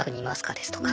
ですとか